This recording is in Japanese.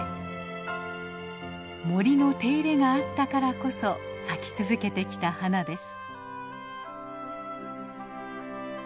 森の手入れがあったからこそ咲き続けてきた花です。